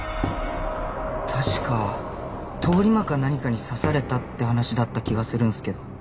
確か通り魔か何かに刺されたって話だった気がするんすけど。